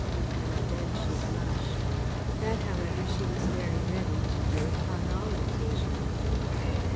And then she blushed. That, however, she was very ready to do upon all occasions.